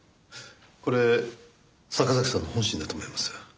これ坂崎さんの本心だと思います。